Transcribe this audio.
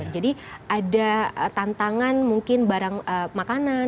jadi ada tantangan mungkin barang makanan